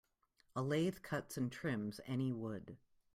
A lathe cuts and trims any wood.